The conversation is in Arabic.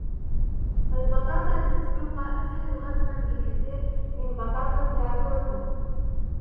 البطاطا المسلوقة أسهل هضما بكثير من بطاطا التراكوتا.